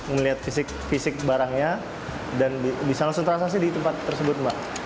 melihat fisik fisik barangnya dan bisa langsung terasasi di tempat tersebut